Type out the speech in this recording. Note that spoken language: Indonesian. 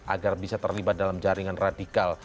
agar bisa terlibat dalam jaringan radikal